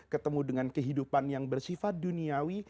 ketemu dengan kehidupan yang bersifat duniawi